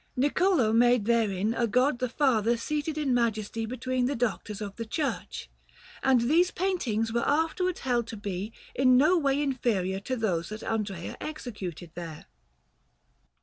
Niccolò made therein a God the Father seated in Majesty between the Doctors of the Church, and these paintings were afterwards held to be in no way inferior to those that Andrea executed there.